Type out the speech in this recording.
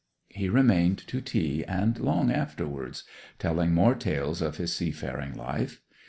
He remained to tea and long afterwards, telling more tales of his seafaring life.